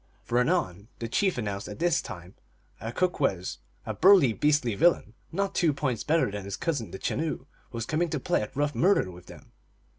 For anon the chief announced that this time a Kookwes a burly, beastly villain, not two points better than his cousin the Chenoo was coming to play at rough murder with them.